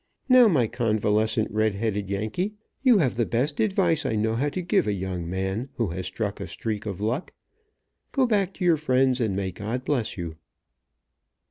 Now, my convalescent red headed yankee, you have the best advice, I know how to give a young man who has struck a streak of luck. Go back to your friends, and may God bless you."